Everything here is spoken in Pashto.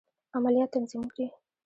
عملیات تنظیم کړي.